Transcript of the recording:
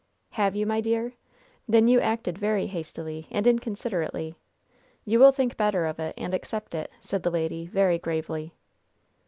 "Have you, my dear? Then you acted very hastily and inconsiderately. You will think better of it and accept it," said the lady, very gravely.